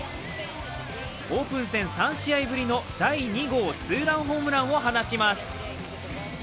オープン戦３試合ぶりの第２号ツーランホームランを放ちます。